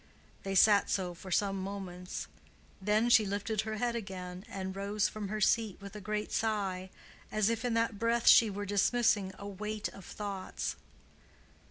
They sat so for some moments. Then she lifted her head again and rose from her seat with a great sigh, as if in that breath she were dismissing a weight of thoughts.